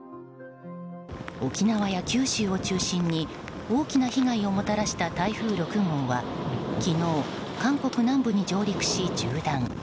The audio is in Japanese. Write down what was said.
沖縄や九州を中心に、大きな被害をもたらした台風６号は昨日、韓国南部に上陸し縦断。